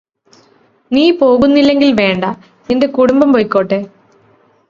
നീ പോകുന്നില്ലെങ്കില് വേണ്ട നിന്റെ കുടുംബം പൊയ്കോട്ടെ